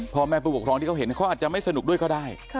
พ่อแม่ผู้ปกครองที่เขาเห็นเขาอาจจะไม่สนุกด้วยก็ได้